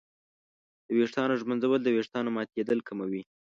د ویښتانو ږمنځول د ویښتانو ماتېدل کموي.